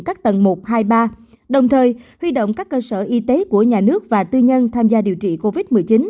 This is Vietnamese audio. các tầng một hai ba đồng thời huy động các cơ sở y tế của nhà nước và tư nhân tham gia điều trị covid một mươi chín